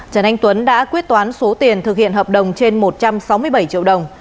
trần anh tuấn đã quyết toán số tiền thực hiện hợp đồng trên một trăm sáu mươi bảy triệu đồng